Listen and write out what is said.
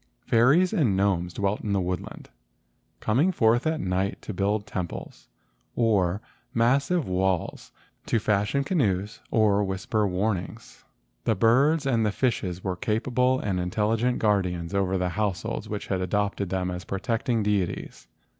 Fairies and gnomes dwelt in the woodland, coming forth at night to build temples, or massive walls, to fashion canoes, or whisper warnings. The birds and the fishes were capable and intel¬ ligent guardians over the households which had adopted them as protecting deities.